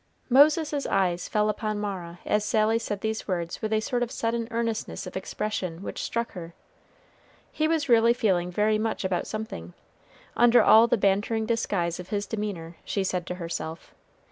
Moses's eyes fell upon Mara as Sally said these words with a sort of sudden earnestness of expression which struck her. He was really feeling very much about something, under all the bantering disguise of his demeanor, she said to herself.